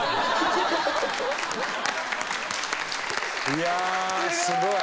いやあすごい！